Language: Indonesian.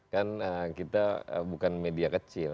kan kita bukan media kecil